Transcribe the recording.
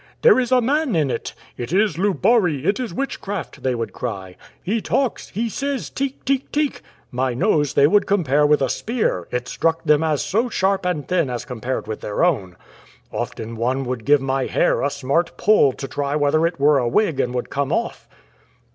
' There is a man in it.' ' It is Luhari ; it is witchcraft,' they would cry. * He talks ; he says, Teek, teek, teek.' My nose they they would compare with a spear, it struck them as so sharp and thin as compared with their own. Often one would give my hair a smart pull to try whether it were a wig and would come off.'"